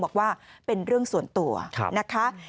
บอกว่าเป็นเรื่องส่วนตัวนะคะ